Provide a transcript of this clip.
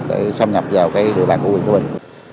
để xâm nhập vào địa bàn của huyện thới bình